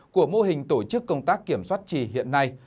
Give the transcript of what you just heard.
của mô hình tổ chức công tác kiểm soát trì hiện nay